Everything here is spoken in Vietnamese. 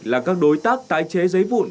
là các đối tác tái chế giấy vụn